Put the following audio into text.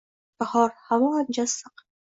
Bahor, havo ancha issiq.